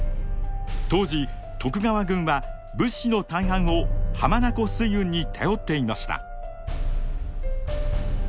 当時徳川軍は物資の大半を浜名湖水運に頼っていました。